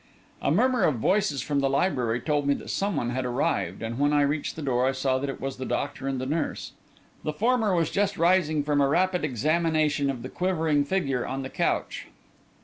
A murmur of voices from the library told me that someone had arrived, and when I reached the door, I saw that it was the doctor and the nurse. The former was just rising from a rapid examination of the quivering figure on the couch.